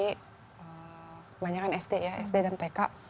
kebanyakan sd ya sd dan tk